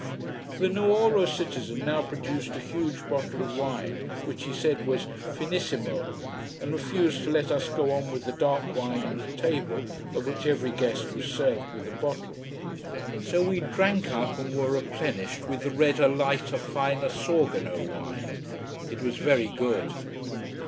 The Nuoro citizen now produced a huge bottle of wine, which he said was finissimo, and refused to let us go on with the dark wine on the table, of which every guest was served with a bottle. So we drank up, and were replenished with the redder, lighter, finer Sorgono wine. It was very good.